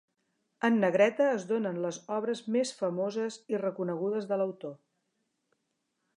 En negreta es donen les obres més famoses i reconegudes de l'autor.